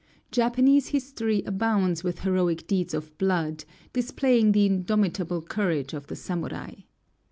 Japanese history abounds with heroic deeds of blood displaying the indomitable courage of the samurai.